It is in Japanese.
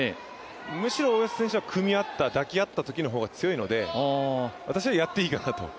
むしろ大吉選手は抱き合ったときの方が強いので私は、やっていいかなと。